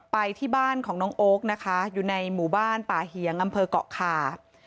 ไปที่บ้านของน้องโอ๊คนะคะอยู่ในหมู่บ้านป่าเหียงอำเภอกเกาะคา